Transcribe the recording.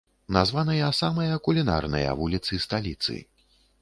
Названыя самыя кулінарныя вуліцы сталіцы.